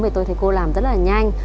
thì tôi thấy cô làm rất là nhanh